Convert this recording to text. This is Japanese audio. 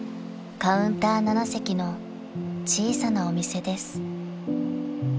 ［カウンター７席の小さなお店です］